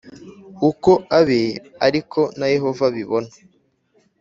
Uko abe ari ko na Yehova abibona